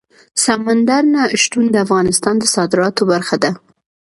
سمندر نه شتون د افغانستان د صادراتو برخه ده.